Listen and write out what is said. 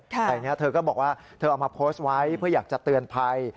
แต่นี้เธอก็บอกว่าเธอเอามาโพสต์ไว้เพื่ออยากจะเตือนภัย